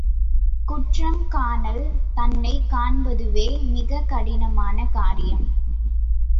குற்றம் காணல் தன்னைக் காண்பதுவே மிகக் கடினமான காரியம்.